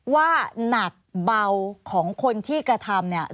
ว่าหนักเบาของคนที่กระทำ